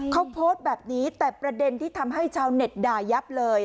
เขาโพสต์แบบนี้แต่ประเด็นที่ทำให้ชาวเน็ตด่ายับเลย